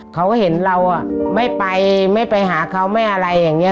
เขาเห็นเราไม่ไปไม่ไปหาเขาไม่อะไรอย่างนี้